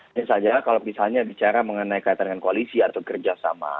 hanya saja kalau misalnya bicara mengenai kaitan dengan koalisi atau kerjasama